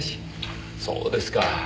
そうですか。